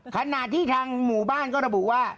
ขณะที่ทางหมู่บ้านก็ระบุว่า